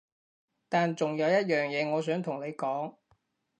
但仲有一樣嘢我想同你講